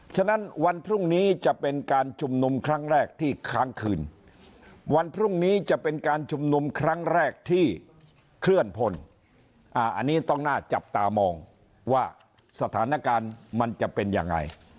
ฉะนั้นวันพรุ่งนี้จะเป็นการชุมนุมครั้งแรกที่ค้างคืนวันพรุ่งนี้จะเป็นการชุมนุมครั้งแรกที่เคลื่อนพลอันนี้ต้องน่าจับตามองว่าสถานการณ์มันจะเป็นยังไง